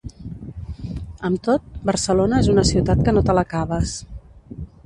Amb tot, Barcelona és una ciutat que no te l’acabes.